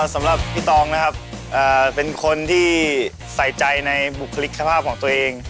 สำหรับพี่ตองนะครับเป็นคนที่ใส่ใจในบุคลิกภาพของตัวเอง